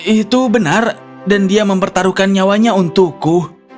itu benar dan dia mempertaruhkan nyawanya untukku